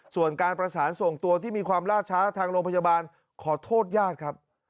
ส่วนการประสานส่งตัวที่มีความล่าช้าทางโรงพยาบาลขอโทษญาติครับ